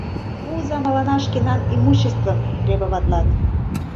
— Пуыза мыланна шкенан имуществым! — требоватлат.